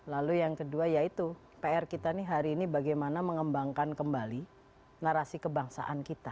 lalu yang kedua yaitu pr kita nih hari ini bagaimana mengembangkan kembali narasi kebangsaan kita